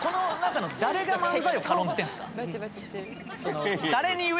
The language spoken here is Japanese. バチバチしてる。